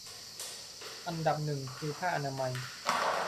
อันดับหนึ่งคือผ้าอนามัย